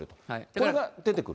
これが出てくる。